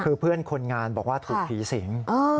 คือเพื่อนคนงานบอกว่าถูกผีสิง